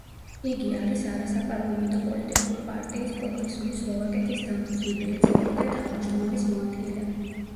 იგი არის არასაპარლამენტო პოლიტიკური პარტიის პროგრესული სლოვაკეთის დამფუძნებელი წევრი და თავჯდომარის მოადგილე.